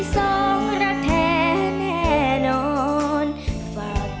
รักรักรักรักรัก